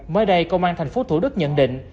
mới đây công an thành phố thủ đức nhận định